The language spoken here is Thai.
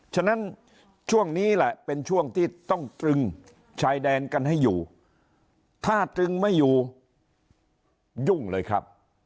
ฉะนั้นช่วงนี้แหละเป็นช่วงที่ต้องตรึงชายแดนกันให้อยู่ถ้าตรึงไม่อยู่ยุ่งเลยครับ